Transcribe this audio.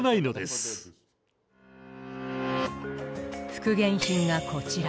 復元品がこちら。